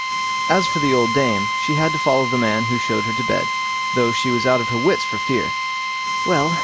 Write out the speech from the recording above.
As for the old dame, she had to follow the man who showed her to bed, though she was out of her wits for fear. "Well!"